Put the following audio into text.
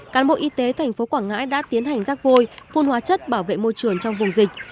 cán bộ y tế thành phố quảng ngãi đã tiến hành rác vôi phun hóa chất bảo vệ môi trường trong vùng dịch